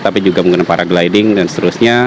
tapi juga menggunakan paragliding dan seterusnya